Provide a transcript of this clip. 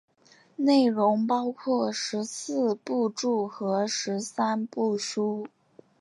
内容包括十四部注和十三部疏。